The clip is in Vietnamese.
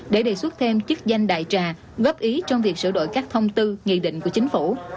để đề xuất thêm chức danh đại trà góp ý trong việc sửa đổi các thông tư nghị định của chính phủ